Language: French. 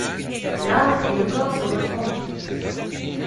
L'âme et le corps se retrempent.